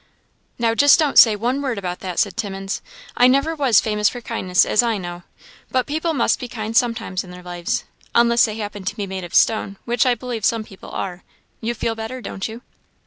"Now just don't say one word about that," said Timmins "I never was famous for kindness, as I know; but people must be kind sometimes in their lives unless they happen to be made of stone, which I believe some people are. You feel better, don't you?"